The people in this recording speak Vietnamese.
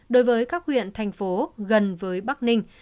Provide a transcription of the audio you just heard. đối với các huyện thành phố gần với bắc ninh